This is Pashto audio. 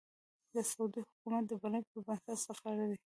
د سعودي حکومت د بلنې پر بنسټ سفر دی.